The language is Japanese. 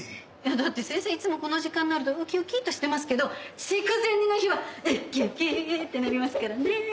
だって先生いつもこの時間になるとウキウキッとしてますけど筑前煮の日はウッキウッキ！ってなりますからね。